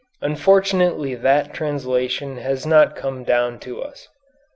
Unfortunately that translation has not come down to us.